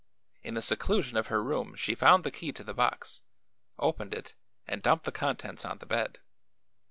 In the seclusion of her room she found the key to the box, opened it and dumped the contents on the bed.